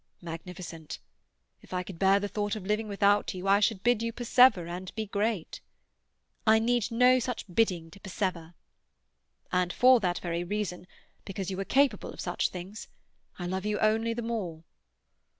"Magnificent! If I could bear the thought of living without you, I should bid you persevere and be great." "I need no such bidding to persevere." "And for that very reason, because you are capable of such things, I love you only the more."